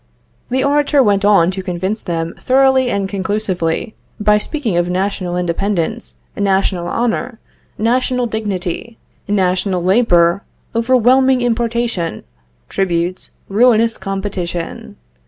The orator went on to convince them thoroughly and conclusively by speaking of national independence, national honor, national dignity, national labor, overwhelming importation, tributes, ruinous competition.